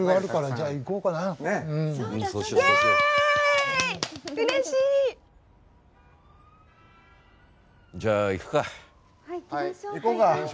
じゃあ行くか。